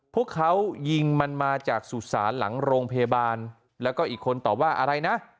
พวกเขายิงมันมาจากสุสานหลังโรงพยาบาลแล้วก็อีกคนตอบว่าอะไรนะ